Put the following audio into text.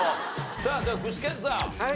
さあじゃあ具志堅さん。